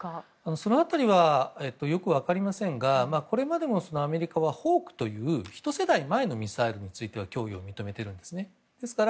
その辺りはよくわかりませんがこれまでもアメリカはトマホークという１世代前のミサイルについては供与を認めているんですね。